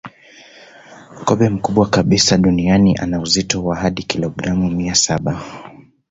Kobe mkubwa kabisa duniani ana uzito wa hadi kilogramu mia saba